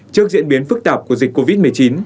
trước diễn biến phức tạp của dịch covid một mươi chín